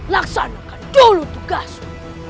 laksanakan dulu tugasmu